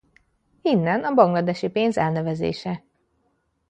Innen a bangladesi pénz elnevezése.